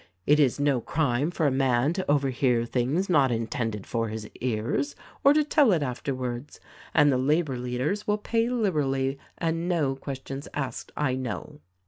It is no crime for a man to overhear things not intended for his ears, or to tell it afterwards ; and the labor leaders wiU pay liberally and no questions asked, I know.